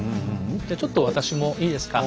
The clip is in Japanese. じゃちょっと私もいいですか？